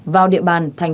vào địa bàn tp ninh bình